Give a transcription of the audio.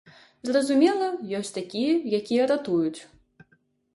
Зразумела, ёсць такія, якія ратуюць.